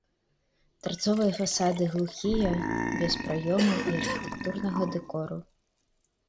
Тарцовыя фасады глухія, без праёмаў і архітэктурнага дэкору.